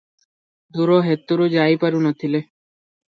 ଦୂର ହେତୁରୁ ଯାଇ ପାରୁ ନ ଥିଲେ ।